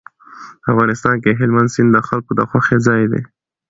په افغانستان کې هلمند سیند د خلکو د خوښې ځای دی.